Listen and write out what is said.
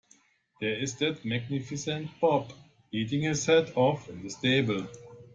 There is that magnificent Bob, eating his head off in the stable.